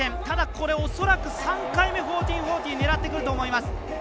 ただ、これ恐らく３回目１４４０狙ってくると思います。